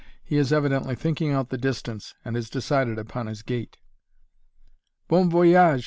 He is evidently thinking out the distance, and has decided upon his gait. "Bon voyage!"